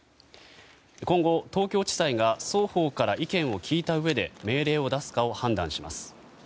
今後、東京地裁が双方から意見を聞いたうえで命令を出すか判断しています。